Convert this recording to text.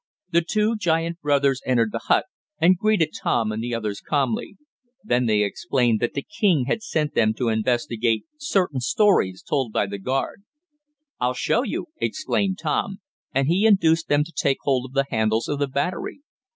The two giant brothers entered the hut and greeted Tom and the others calmly. Then they explained that the king had sent them to investigate certain stories told by the guard. "I'll show you!" exclaimed Tom, and he induced them to take hold of the handles of the battery.